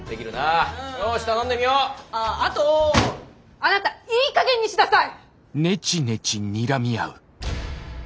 あなたいいかげんにしなさい！